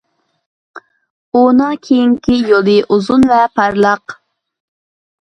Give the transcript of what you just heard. ئۇنىڭ كېيىنكى يولى ئۇزۇن ۋە پارلاق.